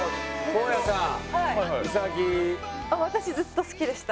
私ずっと好きでした。